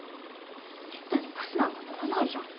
めったにバスなんか乗らないじゃん。